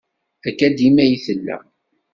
Akka dima i tella.